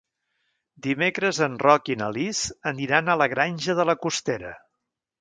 Dimecres en Roc i na Lis aniran a la Granja de la Costera.